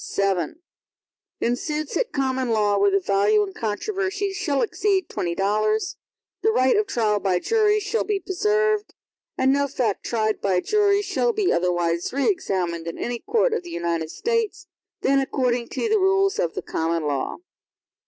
VII In suits at common law, where the value in controversy shall exceed twenty dollars, the right of trial by jury shall be preserved, and no fact tried by a jury shall be otherwise re examined in any court of the United States, than according to the rules of the common law.